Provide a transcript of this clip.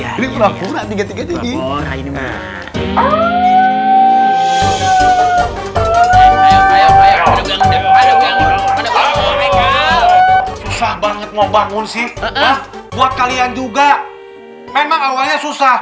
susah banget mau bangun sih buat kalian juga memang awalnya susah tapi sesungguhnya